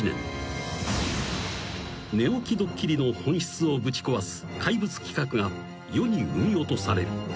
［寝起きドッキリの本質をぶち壊す怪物企画が世に産み落とされる］